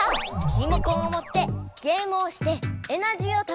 リモコンをもってゲームをしてエナジーをためよう！